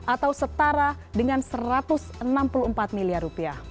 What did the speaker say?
atau setara dengan rp satu ratus enam puluh empat miliar rupiah